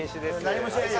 何もしないで。